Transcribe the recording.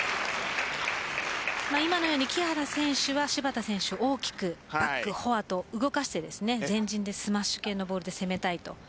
今のように木原選手は芝田選手を大きくバック、フォアと動かして前陣でスマッシュ系のボールで攻めたい。